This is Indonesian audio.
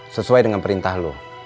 sesuai dengan perintah lo